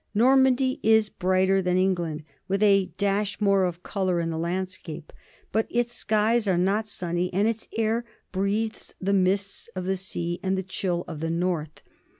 Normandy is brighter than England, with a dash more of color in the landscape, but its skies are not sunny and its air breathes the mists of the sea and the chill of the north.